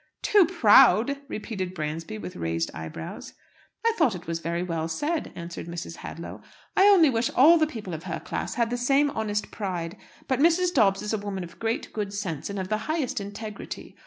"Too proud!" repeated Bransby, with raised eyebrows. "I thought it was very well said," answered Mrs. Hadlow. "I only wish all the people of her class had the same honest pride. But Mrs. Dobbs is a woman of great good sense, and of the highest integrity.